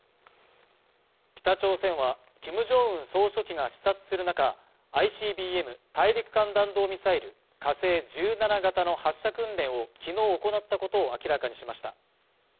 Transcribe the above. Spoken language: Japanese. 北朝鮮は、キム・ジョンウン総書記が視察する中ＩＣＢＭ＝大陸間弾道ミサイル火星１７型の発射訓練を、昨日行ったことを明らかにしました。